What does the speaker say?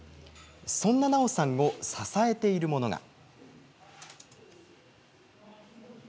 そんな奈緒さんを支えているものが。